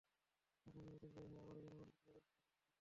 আগামী নির্বাচনে জয়ী হয়ে আবারও জনগণকে সেবা করার সুযোগ গ্রহণ করতে চাই।